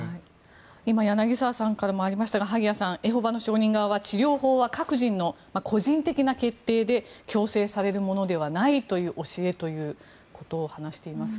今柳澤さんからもありましたが萩谷さん、エホバの証人側は治療法は各人の個人的な決定で強制されるものではないという教えということを話していますが。